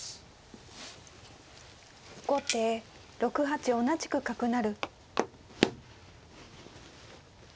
後手６八同じく角成。